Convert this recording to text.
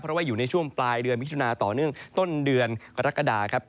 เพราะว่าอยู่ในช่วงปลายเดือนมิถุนาต่อเนื่องต้นเดือนกรกฎาครับ